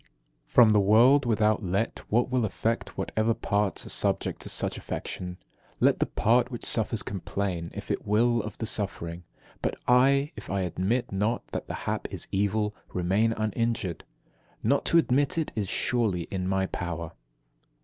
14. From the world without let what will affect whatever parts are subject to such affection. Let the part which suffers complain, if it will, of the suffering. But I, if I admit not that the hap is evil, remain uninjured. Not to admit it is surely in my power.